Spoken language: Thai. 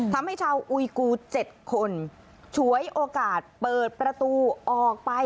ทำให้ชาวอุยกู๗คนฉวยโอกาสเปิดประตูออกไป